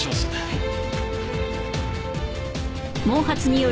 はい。